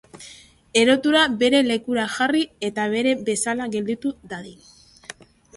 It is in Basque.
Errotula bere lekura ekarri eta behar bezala gelditu dadin.